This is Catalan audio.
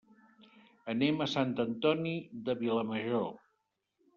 Anem a Sant Antoni de Vilamajor.